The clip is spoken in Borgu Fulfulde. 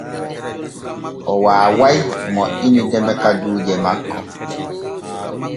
O waaway moƴƴini deme kajuuje makko.